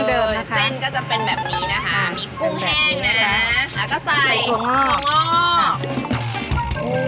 เดินเส้นก็จะเป็นแบบนี้นะคะมีกุ้งแห้งนะแล้วก็ใส่งอก